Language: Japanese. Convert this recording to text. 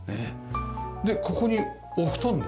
でここにお布団で？